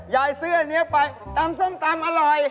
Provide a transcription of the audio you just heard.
ยายเสื้อนี้ไปตำส้มตำอร่อย